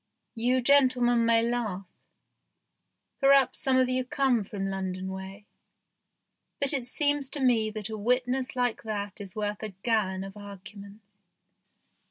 You gentlemen may laugh perhaps some of you come from London way but it seems to me that a witness like that is worth a gallon of arguments.